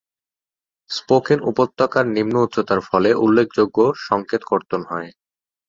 Spoken উপত্যকার নিম্ন উচ্চতার ফলে উল্লেখযোগ্য সংকেত কর্তন হয়।